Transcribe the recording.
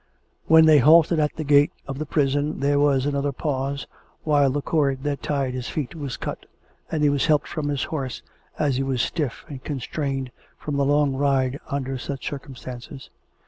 When they halted at the gate of the prison there was another pause, while the cord that tied his feet was cut, and he was helped from his horse, as he was stiff and con strained from the long ride under such circumstances.